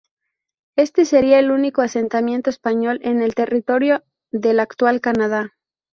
Este sería el único asentamiento español en el territorio del actual Canadá.